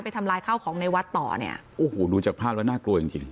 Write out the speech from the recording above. ทำลายข้าวของในวัดต่อเนี่ยโอ้โหดูจากภาพแล้วน่ากลัวจริงจริง